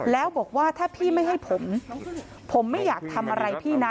แล้วบอกว่าถ้าพี่ไม่ให้ผมผมไม่อยากทำอะไรพี่นะ